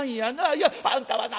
いやあんたはな